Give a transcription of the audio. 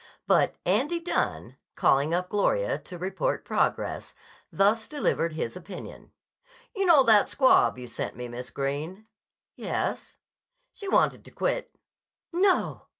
But Andy Dunne, calling up Gloria to report progress, thus delivered his opinion: "You know that squab you sent me, Miss Greene?" "Yes." "She wanted to quit." "No!